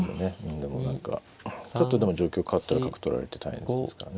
でも何かちょっとでも状況変わったら角取られて大変ですからね。